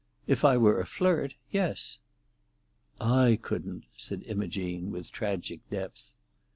"If I were a flirt—yes." "I couldn't," said Imogene, with tragic depth.